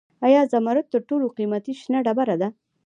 آیا زمرد تر ټولو قیمتي شنه ډبره ده؟